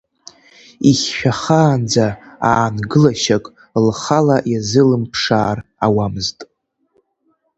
Ихьшәахаанӡа аангылашьак лхала иазылымԥшаар ауамызт.